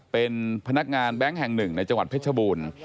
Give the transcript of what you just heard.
เป็นพนักงานแบงค์แห่งหนึ่งในจังหวัดเพชรบูรณ์